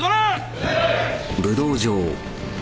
はい。